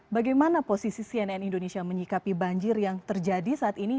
bagaimana posisi cnn indonesia menyikapi banjir yang terjadi saat ini